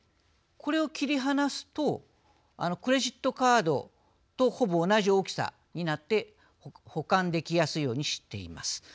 これを切り離すとクレジットカードとほぼ同じ大きさになっていて保管できやすいようにしています。